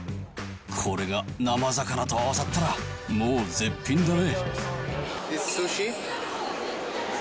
これが生魚と合わさったら、もう絶品だね。